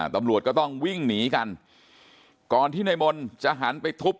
ตำรวจก็ต้องวิ่งหนีกันก่อนที่ในมนต์จะหันไปทุบ